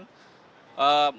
juga dari kejaksaan